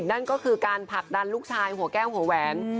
นั่นก็คือการผลักดันลูกชายหัวแก้วหัวแหวน